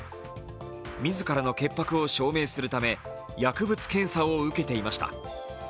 自らの潔白を証明するため薬物検査を受けていました。